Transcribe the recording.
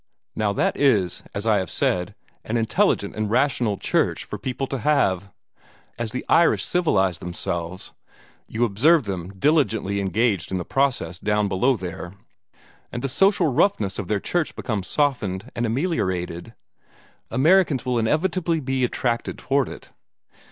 Now that is, as I have said, an intelligent and rational church for people to have. As the Irish civilize themselves you observe them diligently engaged in the process down below there and the social roughness of their church becomes softened and ameliorated, Americans will inevitably be attracted toward it.